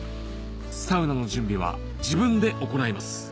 サウナの準備は自分で行います